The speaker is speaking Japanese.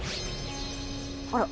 あら。